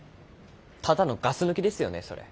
ただのガス抜きですよねそれ。